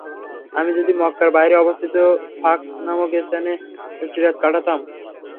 আমি যদি মক্কার বাইরে অবস্থিত ফাখ নামক স্থানে একটি রাত কাটাতাম।